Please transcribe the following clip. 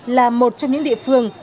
là một trong những địa phương